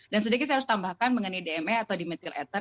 dan sedikit saya harus tambahkan mengenai dme atau dimethyl ether